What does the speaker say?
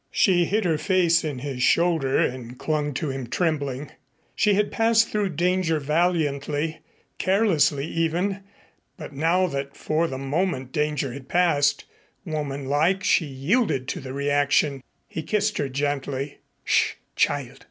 She hid her face in his shoulder and clung to him, trembling. She had passed through danger valiantly, carelessly even, but now that for the moment danger had passed, woman like, she yielded to the reaction. He kissed her gently. "Sh child.